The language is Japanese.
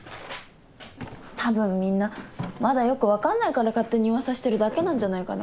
たぶんみんなまだよく分かんないから勝手に噂してるだけなんじゃないかな。